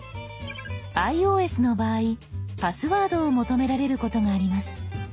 ｉＯＳの場合パスワードを求められることがあります。